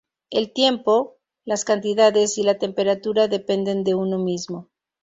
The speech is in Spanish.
El tiempo, las cantidades y la temperatura dependen de uno mismo.